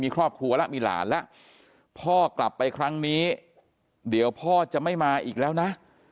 ก็หมาอีกแล้วนะ